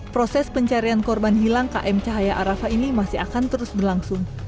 proses pencarian korban hilang km cahaya arafah ini masih akan terus berlangsung